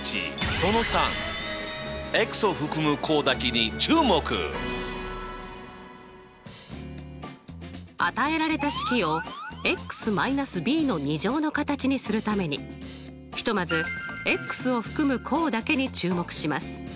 その３。与えられた式をの形にするためにひとまずを含む項だけに注目します。